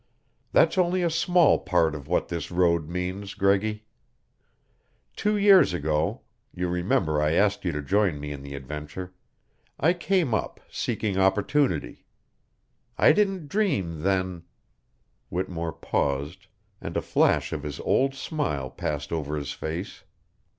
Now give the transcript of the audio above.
That's only a small part of what this road means, Greggy. Two years ago you remember I asked you to join me in the adventure I came up seeking opportunity. I didn't dream then " Whittemore paused, and a flash of his old smile passed over his face.